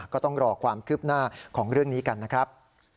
ก็ต้องรอความคืบหน้าของเรื่องนี้กันนะครับ